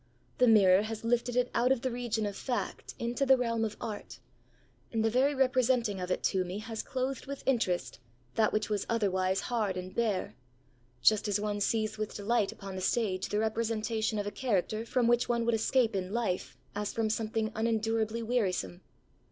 The mirror has lifted it out of the region of fact into the realm of art; and the very representing of it to me has clothed with interest that which was otherwise hard and bare; just as one sees with delight upon the stage the representation of a character from which one would escape in life as from something unendurably wearisome.